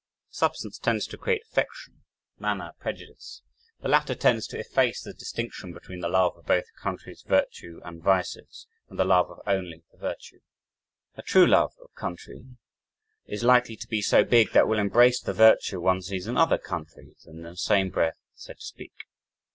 Substance tends to create affection; manner prejudice. The latter tends to efface the distinction between the love of both a country's virtue and vices, and the love of only the virtue. A true love of country is likely to be so big that it will embrace the virtue one sees in other countries and, in the same breath, so to speak.